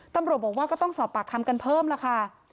ตำรวจบอกว่าก็ต้องสอบปากคำกันเพิ่มแล้วค่ะ